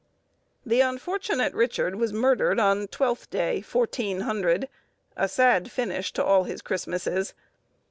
The unfortunate Richard was murdered on Twelfth Day, 1400, a sad finish to all his Christmasses.